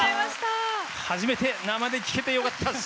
初めて生で聴けてよかったです。